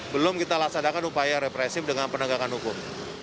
belum kita laksanakan upaya represif dengan penegakan hukum